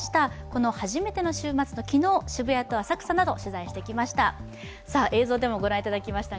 この初めての週末の昨日、渋谷と浅草など取材してきました。